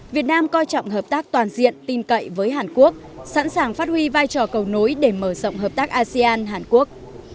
việt nam coi trọng hợp tác toàn diện tin cậy với hàn quốc sẵn sàng phát huy vai trò cầu nối để mở rộng hợp tác asean hàn quốc